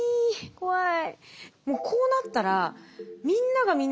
怖い。